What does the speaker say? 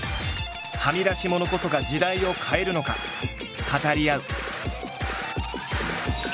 はみ出し者こそが時代を変えるのか語り合う！